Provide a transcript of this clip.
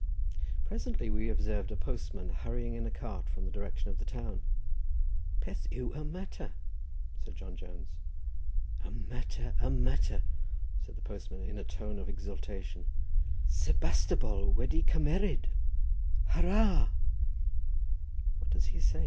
Presently we observed a postman hurrying in a cart from the direction of the town. "Peth yw y matter?" said John Jones. "Y matter, y matter!" said the postman, in a tone of exultation. "Sebastopol wedi cymmeryd Hurrah!" "What does he say?"